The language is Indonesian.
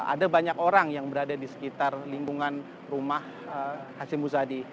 ada banyak orang yang berada di sekitar lingkungan rumah hashim muzadi